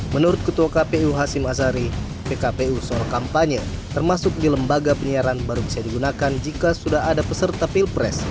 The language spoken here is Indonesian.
menurut ketua kpu hasim azari pkpu soal kampanye termasuk di lembaga penyiaran baru bisa digunakan jika sudah ada peserta pilpres